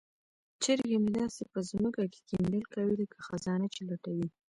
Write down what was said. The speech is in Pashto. چرګې مې داسې په ځمکه کې کیندل کوي لکه خزانه چې لټوي.